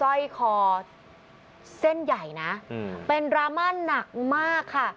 ร้อยคอเส้นใหญ่นะเป็นดราม่าหนักมากค่ะ